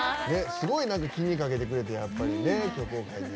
すごい気にかけてくれてはって。